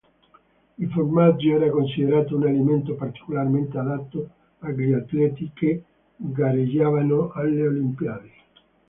Il formaggio era considerato un alimento particolarmente adatto agli atleti che gareggiavano alle Olimpiadi.